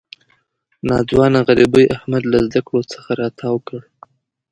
ناځوانه غریبۍ احمد له زده کړو څخه را تاو کړ.